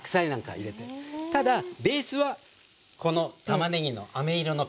ただベースはこのたまねぎのあめ色のペースト